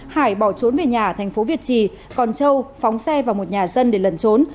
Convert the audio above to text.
hải bỏ trốn về nhà ở thành phố việt trì còn châu phóng xe vào một nhà dân để lần trốn